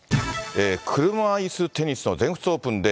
車いすテニスの全仏オープンで、